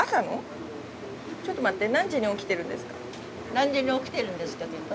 「何時に起きてるんですか？」というと？